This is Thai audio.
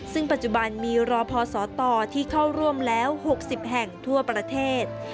ซึ่งปัจจุบันมีรอพอสตที่เข้าร่วมแล้ว๖๐แห่งทั่วประเทศ